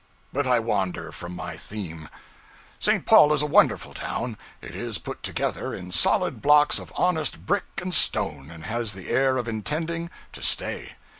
But I wander from my theme. St. Paul is a wonderful town. It is put together in solid blocks of honest brick and stone, and has the air of intending to stay.